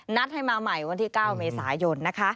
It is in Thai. นัดให้มาใหม่วันที่๙เมษายนนะคะ